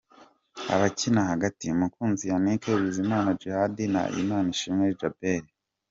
Abakina hagati: Mukunzi Yannick, Bizimana Djihad na Imanishimwe Djabel.